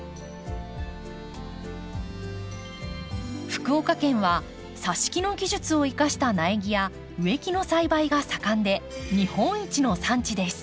福岡県はさし木の技術を生かした苗木や植木の栽培が盛んで日本一の産地です。